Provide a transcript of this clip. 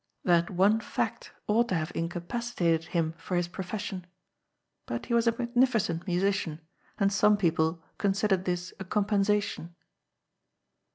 That one f act onght to have incapacitated him for his profession. But he vas a magnificent musician, and some people considered this a compensation.